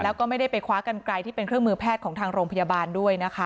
แล้วก็ไม่ได้ไปคว้ากันไกลที่เป็นเครื่องมือแพทย์ของทางโรงพยาบาลด้วยนะคะ